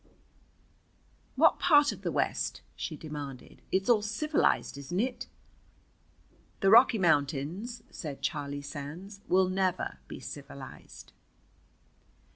"What part of the West?" she demanded. "It's all civilized, isn't it?" "The Rocky Mountains," said Charlie Sands, "will never be civilized."